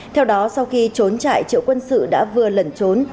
theo đó sau khi trốn trại triệu quân sự đã vừa lẩn trốn